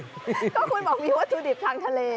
ก็คุณบอกมีวัตถุดิบทางทะเล